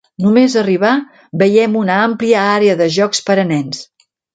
Només arribar, veiem una àmplia àrea de jocs per a nens.